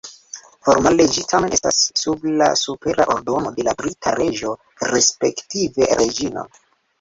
Formale ĝi tamen estas sub la supera ordono de la brita reĝo respektive reĝino.